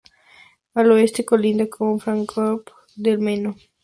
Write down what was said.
Al oeste colinda con Fráncfort del Meno.